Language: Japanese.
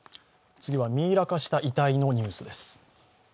次はミイラ化した遺体のニュースです。